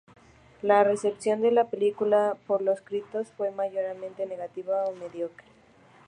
La recepción de la película por los críticos fue mayoritariamente negativa o mediocre.